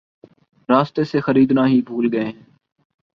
راستے سے خریدنا ہی بھول گئے ہیں